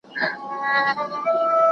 پړ هم يو وراشه لري.